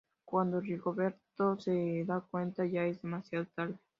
Cuando Rigoletto se da cuenta ya es demasiado tarde.